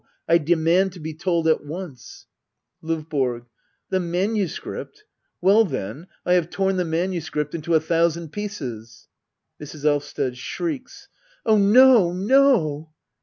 I demand to be told at once. L5VBORO. The manuscript . Well then — I have torn the manuscript into a thousand pieces. Mrs. Elvsted. [Shrieks.'] Oh no, no